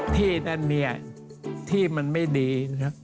ที่นั่นที่มันไม่ดี